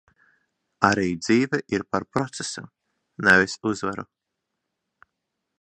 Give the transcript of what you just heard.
Arī dzīve ir par procesu, nevis uzvaru.